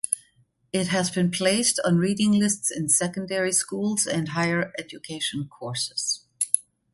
It has been placed on reading lists in secondary schools and higher education courses.